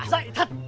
mất dậy thật